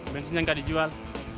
bensinnya gak dijual